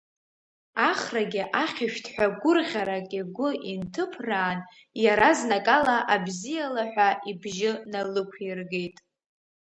Ахрагьы ахьышәҭҳәа гәырӷьарак игәы инҭыԥраан, иаразнакала абзиала ҳәа ибжьы налықәиргеит.